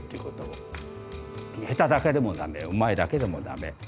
下手だけでもダメうまいだけでもダメ。